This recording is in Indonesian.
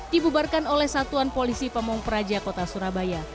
dibubarkan oleh satuan polisi pamung praja kota surabaya